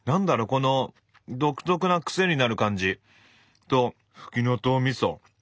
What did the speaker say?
この独特な癖になる感じとふきのとうみそ。